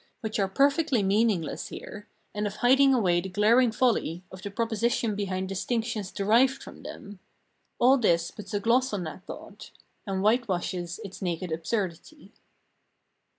which are perfectly meaningless here, and of hiding away the glaring folly of the proposition behind distinc tions derived from them — all this puts a gloss on that thought and whitewashes its naked absurdity.